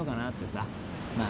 さまあ